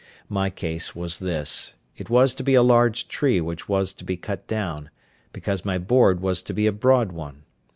My case was this: it was to be a large tree which was to be cut down, because my board was to be a broad one.